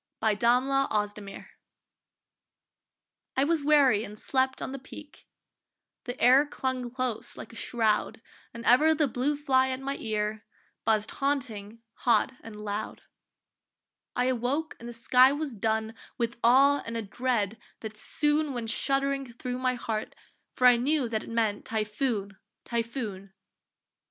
TYPHOON (At Hong kong) I was weary and slept on the Peak; The air clung close like a shroud, And ever the blue fly at my ear Buzzed haunting, hot and loud; I awoke and the sky was dun With awe and a dread that soon Went shuddering thro my heart, for I knew That it meant typhoon! typhoon!